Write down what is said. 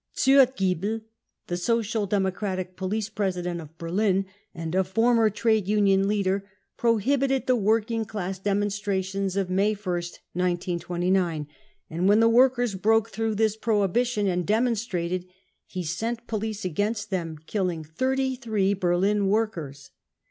Zorgiebel, the Social Democratic police president of Berlin and a former trade union leader, pro hibited the working class demonstrations of May 1st, 1929, and when the workers broke through his prohibition and demonstrated, he sent police against them, killing 33 Berlin workers.